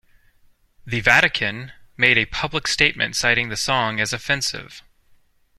The Vatican made a public statement citing the song as offensive.